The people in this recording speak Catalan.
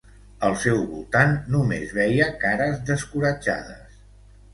Al seu voltant només veia cares descoratjades.